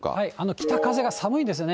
北風が寒いですよね。